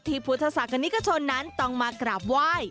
ที่พุทธศกณิกชนนั้นต้องมากราบไหว